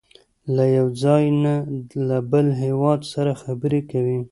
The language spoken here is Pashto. له یو ځای نه له بل هېواد سره خبرې کوي.